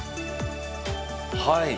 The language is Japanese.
はい。